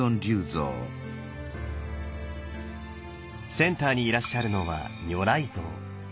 センターにいらっしゃるのは如来像。